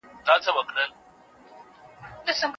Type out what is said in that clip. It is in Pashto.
پاکې اوبه د ډېرو ناروغیو مخه نیسي.